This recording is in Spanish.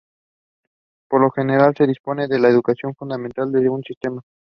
Por lo general no se dispone de la ecuación fundamental de un sistema.